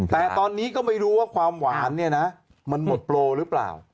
แต่ตอนนี้ก็ไม่รู้ว่าความหวานเนี่ยนะมันหมดโปรหรือเปล่า